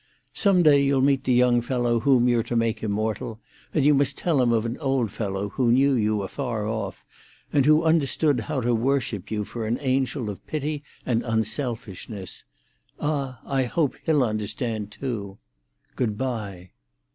Some day you'll meet the young fellow whom you're to make immortal, and you must tell him of an old fellow who knew you afar off, and understood how to worship you for an angel of pity and unselfishness. Ah, I hope he'll understand, too! Good bye."